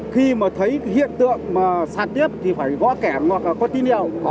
khi mà thấy hiện tượng mà sạt tiếp thì phải gõ kẻ hoặc có tí niệm